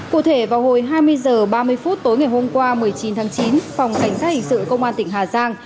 cụ thể vào hồi hai mươi h ba mươi phút tối ngày hôm qua một mươi chín tháng chín phòng cảnh sát hình sự công an tỉnh hà giang